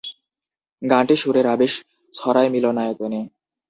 গানটি সুরের আবেশ ছড়ায় মিলনায়তনে।